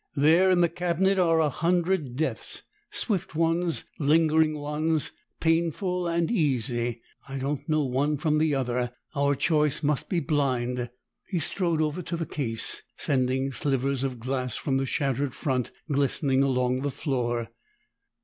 There in the cabinet are a hundred deaths swift ones, lingering ones, painful, and easy! I don't know one from the other; our choice must be blind." He strode over to the case, sending slivers of glass from the shattered front glistening along the floor.